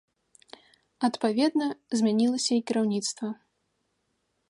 Адпаведна, змянілася і кіраўніцтва.